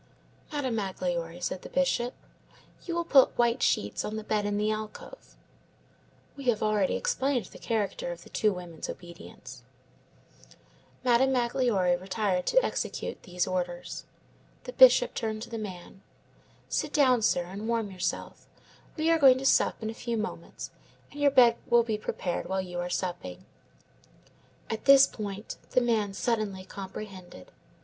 "Madame Magloire," said the Bishop, "you will put white sheets on the bed in the alcove." We have already explained the character of the two women's obedience. Madame Magloire retired to execute these orders. The Bishop turned to the man. "Sit down, sir, and warm yourself. We are going to sup in a few moments, and your bed will be prepared while you are supping." At this point the man suddenly comprehended.